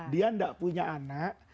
dia tidak punya anak